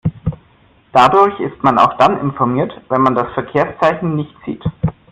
Dadurch ist man auch dann informiert, wenn man das Verkehrszeichen nicht sieht.